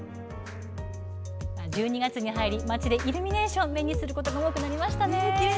１２月に入り街でイルミネーションを目にすること、多くなりましたね。